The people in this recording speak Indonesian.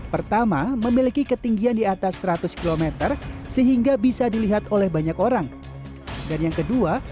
pertama memiliki ketinggian di atas seratus km sehingga bisa dilihat oleh banyak orang dan yang kedua